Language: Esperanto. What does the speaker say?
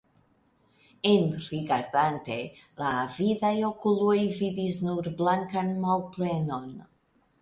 Enrigardante, la avidaj okuloj vidis nur blankan malplenon!